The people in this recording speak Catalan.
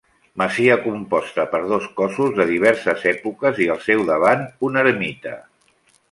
Masia composta per dos cossos de diverses èpoques i al seu davant una ermita.